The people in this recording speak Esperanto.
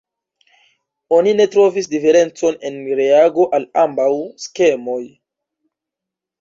Oni ne trovis diferencon en reago al ambaŭ skemoj.